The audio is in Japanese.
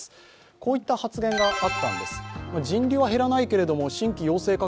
こういった発言があったんです。